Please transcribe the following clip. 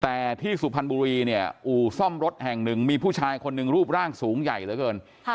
แต่ที่สุพรรณบุรีเนี่ยอู่ซ่อมรถแห่งหนึ่งมีผู้ชายคนหนึ่งรูปร่างสูงใหญ่เหลือเกิน